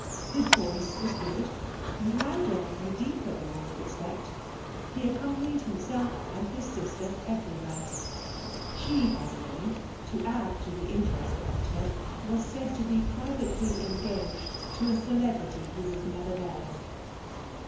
His voice was good, and louder and deeper than one would expect. He accompanied himself and his sister everywhere. She, by the way, to add to the interest about her, was said to be privately engaged to a celebrity who was never there.